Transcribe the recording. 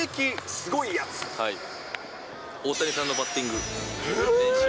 すご大谷さんのバッティング。